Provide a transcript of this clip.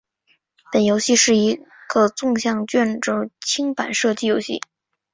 本游戏是一个纵向卷轴清版射击游戏。